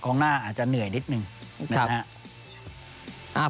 หน้าอาจจะเหนื่อยนิดนึงนะครับ